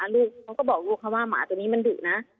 ลูกเขาก็บอกลูกเขาว่าหมาตัวนี้มันดุนะ